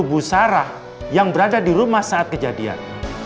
tapi justru bu sarah yang berada di rumah saat kejadian